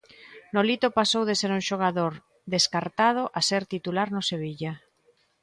Nolito pasou de ser un xogador descartado a ser titular no Sevilla.